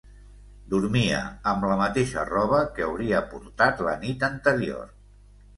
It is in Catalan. Dormia amb la mateixa roba que hauria portat la nit anterior.